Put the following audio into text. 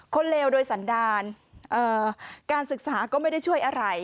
เลวโดยสันดาลการศึกษาก็ไม่ได้ช่วยอะไร